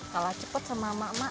kalah cepat sama mak mak